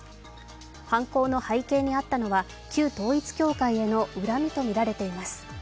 犯行の背景にあったのは、旧統一教会への恨みとみられています。